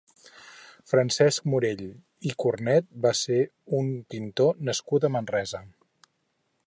Francesc Morell i Cornet va ser un pintor nascut a Manresa.